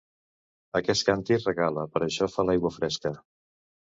Aquest càntir regala, per això fa l'aigua fresca.